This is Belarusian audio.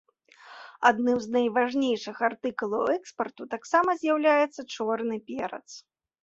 Адным з найважнейшых артыкулаў экспарту таксама з'яўляецца чорны перац.